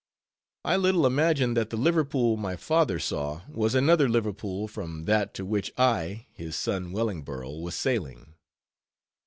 I little imagined that the Liverpool my father saw, was another Liverpool from that to which I, his son Wellingborough was sailing.